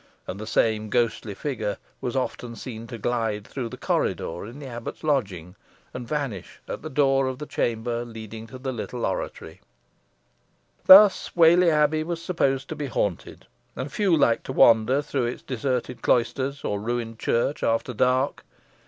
And the same ghostly figure was often seen to glide through the corridor in the abbot's lodging, and vanish at the door of the chamber leading to the little oratory. Thus Whalley Abbey was supposed to be haunted, and few liked to wander through its deserted cloisters, or ruined church, after dark.